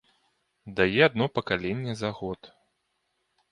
Дае адно пакаленне за год.